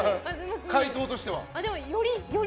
回答としては。